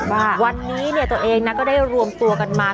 ว่าวันนี้เนี่ยตัวเองนะก็ได้รวมตัวกันมา